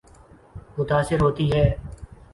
متاثر ہوتی ہے۔